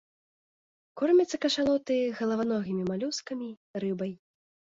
Кормяцца кашалоты галаваногімі малюскамі, рыбай.